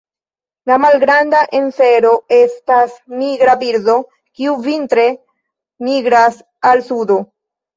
La Malgranda ansero estas migra birdo, kiu vintre migras al sudo.